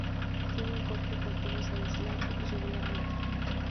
Tienen un corte con tubos aislado irregularmente.